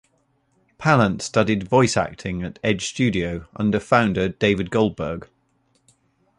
Palant studied voice acting at Edge Studio, under founder David Goldberg.